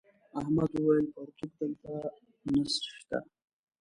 احمد وويل: پرتوگ دلته نشته.